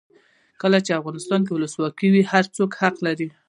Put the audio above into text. کله چې افغانستان کې ولسواکي وي هر څوک حق لري.